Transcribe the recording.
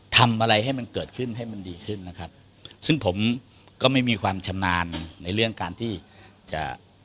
ทำอะไรให้มันเกิดขึ้นให้มันดีขึ้นนะครับซึ่งผมก็ไม่มีความชำนาญในเรื่องการที่จะ